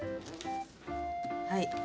はい。